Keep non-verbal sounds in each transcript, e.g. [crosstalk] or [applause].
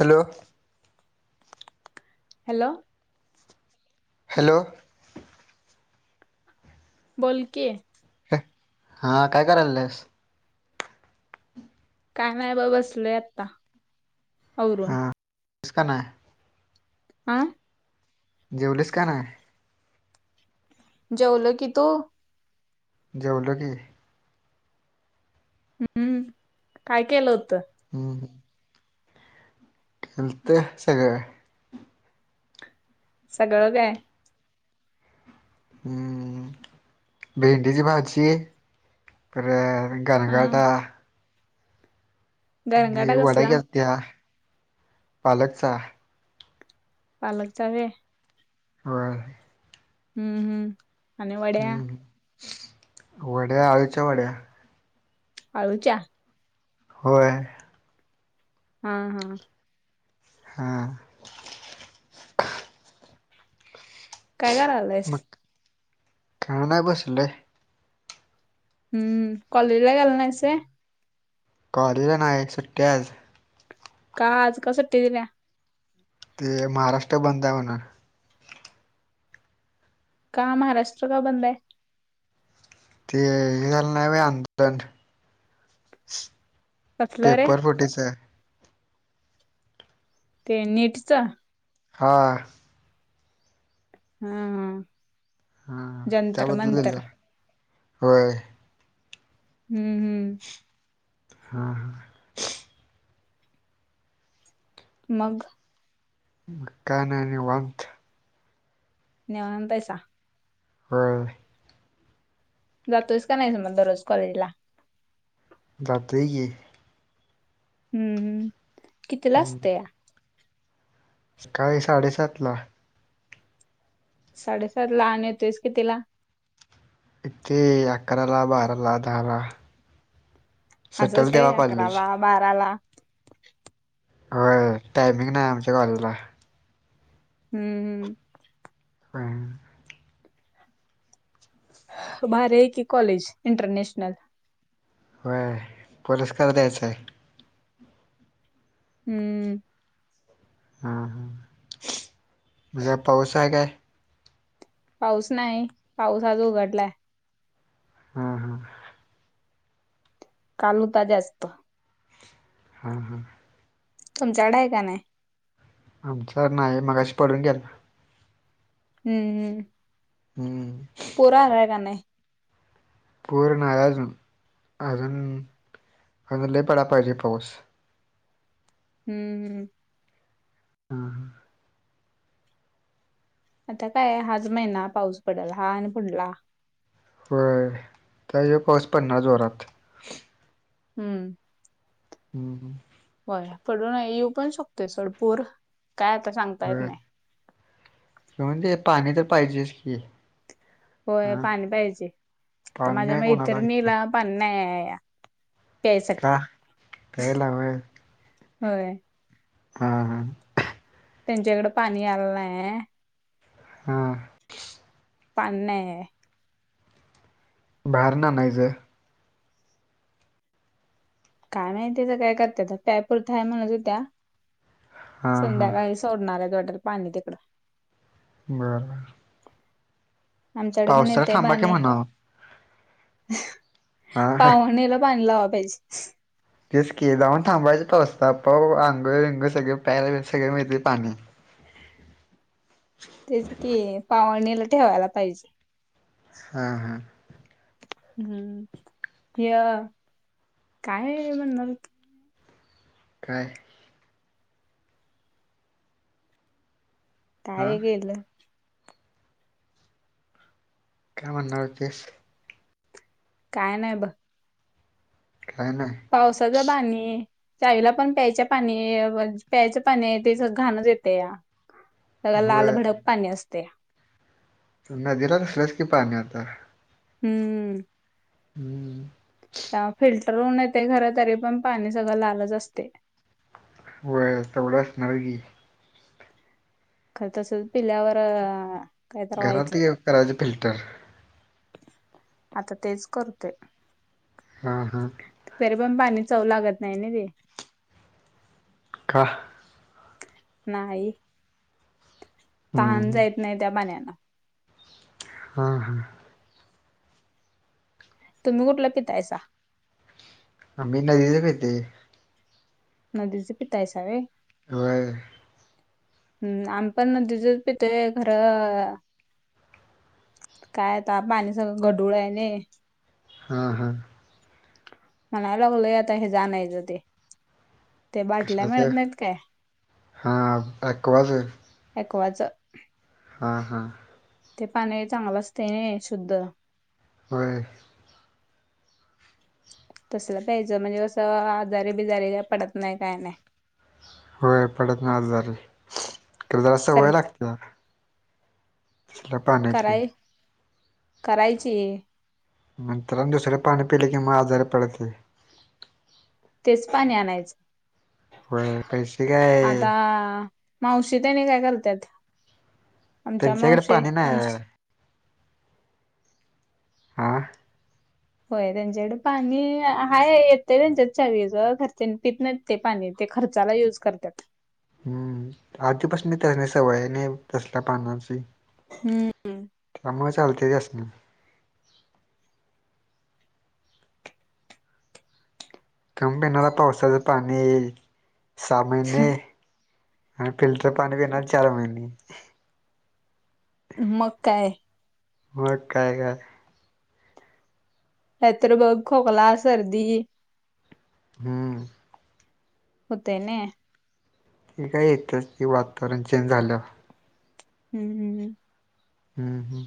Hello hello hello बोलं की हां कायं कारांयल्यांस कामां वरं बसलीय आंता हां कसंका नाहीं आं जेवलीसं कां नाहीं जेवलं की तूं जवलां कां नाहीं हम्मं कायं केलं होतं हम्मं हं हलते सगळं सगळं काय हम्म, भेंडीची भाजीयं परत हा गरगाता दे गरंगाटा वडा कसला गेलत्या, पालकचा पालकचा व्हे होयं हम्म हम्म आणि वड्या हम्म हम, वड्या आळुच्या वड्या आळूच्या होय हा ह हा काय करावं मग, काय नाय बसलोय हम्म, कॉलेजला गेला नाहीस व्हयं कॉलेजला नाही सुट्टीय आज का आज, का सुट्टी दिल्या ते महाराष्ट्र बंदय म्हणुन का महाराष्ट्र, का बंदय ते हे झाल नाई व्हयं आंदोलन कसलं रे पेपर फुटीचं ते नीटचं हा ह ह हा हा त्याबद्दल धन्यवाद, होय हम्म हम हा हां... मग- मंग काय नाय निवांत - निवांतयसा- हीय.... जातोयस का नाही मग दररोज कॉलेजला? जातोय की- हम्म हम्, कितीला हम्म असतया - सकाळी साडेसातला. साडेसातला आण येतोयस कितिला- इतके अकराला, बाराला, दहाला, असं सुटल असतंय तेव्हा कॉलेज- अकराला, बाराला- होय व्हयं टायमिंग नाही आमच्या कॉलेजला- हम्म... काय - भारी ये की कॉलेज इंटरनेॅशनल- व्हय, पुरस्कार द्यायचाय- हम्म... हां, हां.. म काय पाऊस आहे काय? पाऊस नाही, पाऊस आज उघडलाय. हां.. हा.. काल हुता जास्त. हा.. हा.. तुमच्याकडं हाय का नाही? आमच्याकडं नाही, मगाशी पडून गेला. हूं.. हूं.. हुं.... पूर आलाय का नाही? पूर नाही अजून, अजून अजून लई पडाय पाहिजे पाऊस. हूं.. हूं... हा.. हा... आता काय हाच महिना पाऊस पडल हा आणि पुढला. होय त्यात ह्यो पाऊस पडणार जोरात. हं..... हा.. हा.. होय पडून येऊ पण शकतोय सोड पूर, काय आता सांगता येत नाही. खरं म्हणजे पाणी तर पाहिजेच की, होय हा पाणी पाहिजे आता पाणी माझ्या नाही कोणाला इथं मैतरनीला - पाणी नाही हाया या प्यायसाठी, का प्यायला होय होय. हा.. हा.... त्यांच्याकड पाणी आलं नाय हा.... पाणी नाय य ये - बाहेरण आनायच काय माहितीच काय करत प्यायपुरत आहे म्हणत होत्या हा हा संध्याकाळी- सोडणार आहेत पाणी तिकडं बरं.... आमच्याकड पण पावसाला येतय थांबा की बाणी- म्हणावं हा पाहुणेला पाणी लावा पाहिजे. तेच कीं जाऊन थांबायचं पावस्ताप अंग बिंग सगळे प्यायला सगळ मिळतेय पाणी. तेच की पावणीला ठेवायला पाहिजे. हा. हा... हम्म हे काय म्हणणार. काय? हा काय गेलं. काय म्हणणार तेश. काय नाही बघ काय नाय.. पावसाचा पाणी.. त्याईला पण प्यायच्या पाणी प्यायचं पाणी ते घाणच येते या.. त्या लाल होय भडक पाणी असतया. नदीला तसल्याच की पाणी आता.. हम्म! हम्म! ! त्या फिल्टर होऊन येते खर तरी पण पाणी सगळं लालंच असतय. होय तेवढा असणारच की, खरं त असेल पिल्यावर.... काय तर घरात व्हायचं करायच फिल्टर... आता तेच करतोय. हां.. हां.. तरी पण पाणी चव लागत नाही ना ते, काहा! ! नाही तहान हम्म जायत नाही त्या पाण्याना. हा. हा.. तुम्ही कुठलं पितायसा. आमी नदीच पितंय. नदीचं पी तयसा व्हय. व्हय.. हम्म आम्ही पण नदीच पितोय खर.. काय आता पाणी सगळं गडूळ आहे न... हा. हा... म्हणायलागल आता हे जाणच ते. ते बाटल्या कशाच मिळत नाहीत काय? हा ॲक्वाच एकवाचं. हा. हां... ते पाणी चांगलं असते शुद्ध. होय.. तसल प्यायचं म्हणजे, कसं आजारी-बिजारीे पडत नाही काय नाही. होय पडत नाही, आजारी खरं जरा सर सवय लागते. पा [unintelligible] कराय करायची. नंतर दुसर पाणी पिले किं मग, आजारी पडते. तेच पाणी आणायचं होय पैसे काय आता. मावशी त्यानी काय करत्यात, आमच्या त्यांच्याकडे मावशी पाणी नाही आहे आमची हां. होय त्यांच्याकडे पाणी हाय येतय त्यांच्यात, चावीच खर ते पित नाहींत. ते पाणी ते खर्चाला युज करतात. हम्म, आधीपासन त्यांना सवय हाय नाही, तसल्या पानाची. हम्म. त्यामुळे चालते ते त्यांसनी. तुम्ही पिणारा पावसाचं पाणी, येईल सहा महिने. आणि फिल्टर पाणी पीनार सहा महिने. मग काय. मग काय-काय. नाहीतर मग खोकला, सर्दी. हम्म. होतय नई. काय इथंच की वातावरण चेंज झालं. हु हु. हू हू.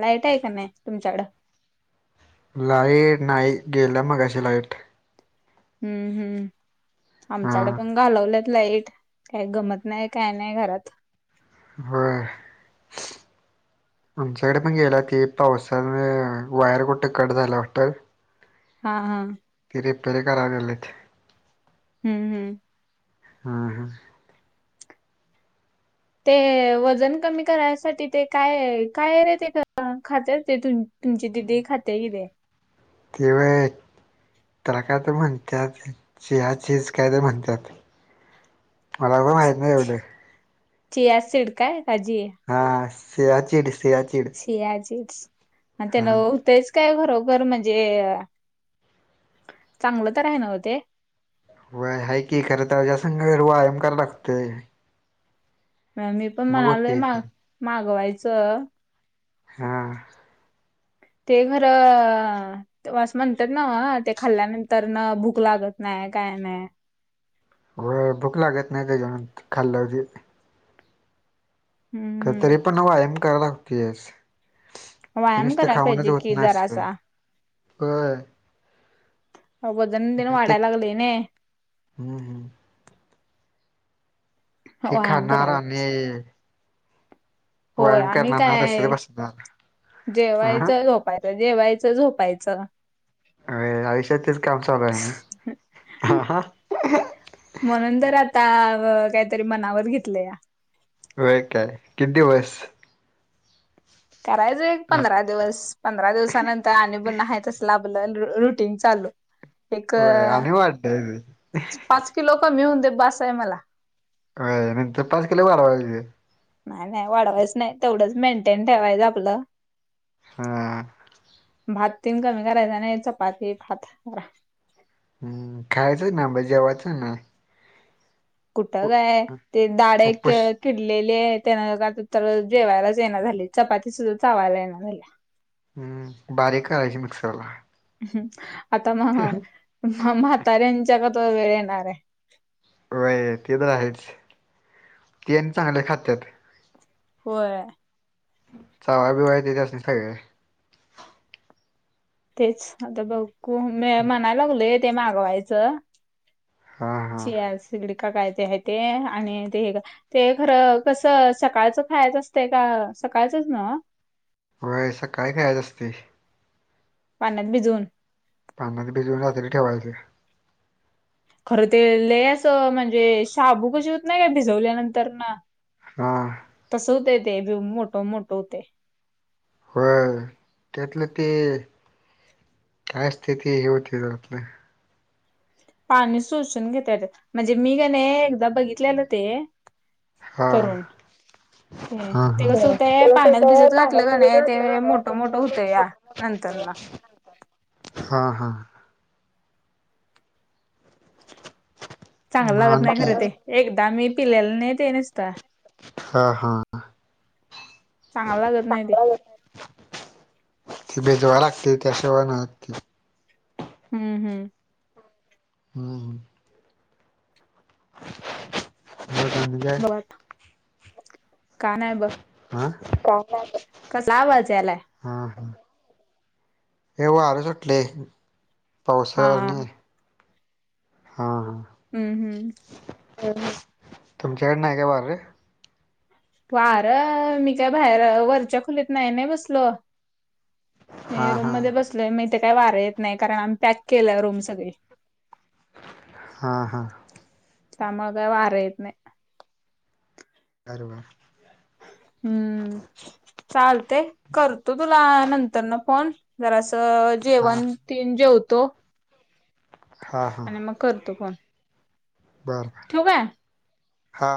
लाईट हाय का नाही तुमच्याकडं? लाईट नाही, गेल्या मगाशी लाईट. हू हू, हा आमच्याकड पण घालवल्यात लाईट. काय गमत नाही काय नाही घरात. व्हय. आमच्याकड पण गेल्या की, पावसा न वायर कुठं कट झालंय वाटतं. हा हा. ति रीपेर कराय लागलेथ. हू हू. हा हा. ते वजन कमी करायसाठी ते काय काय रे ते खात्यात ते तुम तुमची दिदी खात्या कि तेे ते व्हय तेला काय तर म्हणत्यात, सिया चीज काय तर म्हणत्यात. मला पणं माहीत नाही एवढ. चीया शिड काय का जीया? हा सीयाचिड, सीयाचीड. सिया चिड्स आन त्यान होतयच. काय खरोखर म्हणजे चांगलं तर हाय न्हव ते? व्हय हाय की, खर त्याच्या संग व्यायाम कराय लागतय. म मी पण म्हणालोय होते ते माग मागवायचं. हा. ते खर अ. तवाच म्हणत्यात नव ते खाल्ल्यानंतरन भूक लागत नाही, काय नाही. होय भुक लागत नाही ते खाल्ल की हूम्म. तरी पण वायम करायला लागतोयाचं. ते व्यायाम नुसत करायला खाऊनच पाहिजे होत कि नसतय जरासा [unintelligible] अ वजन तेन वाढाय लागलय नाई. हू हू. ते व्यायाम खानार करायला आम्ही होय आम्ही नाही तसंच काय? बसणार हा जेवायच झोप बाय बाय जेवायचं, झोपायचं. अरे आयुष्यात तेच काम चालू हाय म. म्हणून तर आता काहीतरी मनावर घेतलंया. व्हय काय? किती दीवस? करायचं एक पंधरा दिवस, पंधरा दिवसानंतर आणि पुन्हा हाय तसच चला आपल रुटीन चालू. एक होय आणि वाढलंय पाच कीलो कमि होवून दे बास हाय मला. अ नंतर पाच केिलो वाढवायचं. नाही नाही वाढवायच नाही, तेवढंच मेंटेन ठेवायचं आपलं. हां. भात तेन कमी करायचा, नाही चपाती, भात हम्म, खायच ना, मग जेवायचं ना. कुठं काय, ती दाड एक. उपवास किडलेले आहे, त्यान आता तर जेवायलाच येईना झाली. चपाती सुद्धा चावायला येईना झाली. हम्म, बारीक करायची मिक्सर ला. हम, आता महा, म्हाताऱ्यांच्या गत वेळ येणार आहे. वय ते तर आहेच, ते चांगले खातात. होय. चावय-बिवाय ते अस सगळे. तेच, आता बघू मी म्हणायला लागलोय ते मागवायचं. हा हा सी. आर. सी का कडे काय हाय ते, आणि ते हे ते खरं कस सकाळचं खायचं असतं का, सकाळचंच ना. व्हय सकाळचं खायचं असतय. पाण्यात भिजवून. पाण्यात भिजवून रात्री ठेवायचे. खरं ते लई अस म्हणजे, शाबू कशी होत नाही काय, भिजवल्यानंतरन. हा तस होतय ते मोठ-मोठ होतय. होय त्यातलं ते, काय असतय ते हे होतय आपलं. पाणी सोशुन घेतय ते, म्हणजे मी कणी एकदा बघितलेलं ते. हा करून. ते, हा ते हा कस होतंय पाण्यात भीजत घातल का नाही, ते मोठं-मोठं होतं या. नंतर न. हा, हा. चांगलं मग लागत नाही आणखी खरं ते, एकदा मी पिल्याल नाही ते नुसता. हा, हा, चांगलं लागत नाही ते चांगल [inaudible] ते भेजवा लागते त्या शिवाय नाय. [unintelligible] हम्म हम्म. हम्म हम्म. [unintelligible] आणि काय? बघ का नाय ब हा का नाय बघ. कसला आवाज यायला? हां हां ए वारे सुटले हा पावसानी. हां हां. हम्म हम्म. तुमच्याकडे नाही का वारे? वारं मी काय बाहेर वरच्या खोलीत नाही ना बसलो. मी हां रूम हां मध्ये बसलोय म इथे काही वारं येत नाही कारण आम्ही पॅक केलं रूम सगळी. हा हा. त्यामुळं काय वारे येत नाय. अरे वाह. हम्म. चालते करतो तुला नंतर न फोन जरासा अ हां जेवण तीन जेवतो हां हां आणि मग करतो फोन. बरं ठेवू काय हा.